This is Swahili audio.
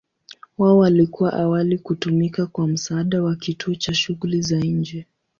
Wao walikuwa awali kutumika kwa msaada wa kituo cha shughuli za nje.